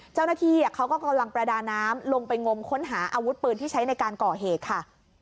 เจ้าหน้าที่เขาก็กำลังประดาน้ำลงไปงมค้นหาอาวุธปืนที่ใช้ในการก่อเหตุค่ะ